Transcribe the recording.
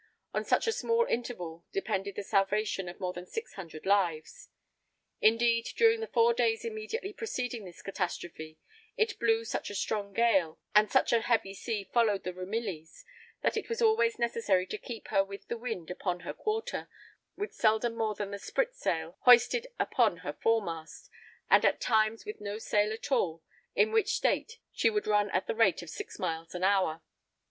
On such a small interval depended the salvation of more than six hundred lives! Indeed, during the four days immediately preceding this catastrophe, it blew such a strong gale, and such a heavy sea followed the Ramillies, that it was always necessary to keep her with the wind upon her quarter, with seldom more than the sprit sail hoisted upon her fore mast, and at times with no sail at all, in which state she would run at the rate of six miles an hour.